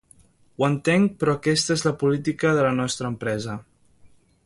Ho entenc, però aquesta és la política de la nostra empresa.